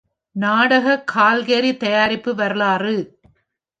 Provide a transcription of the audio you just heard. "நாடகக் கால்கரி தயாரிப்பு வரலாறு"